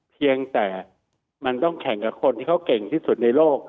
เพียงแต่มันต้องแข่งกับคนที่เขาเก่งที่สุดในโลก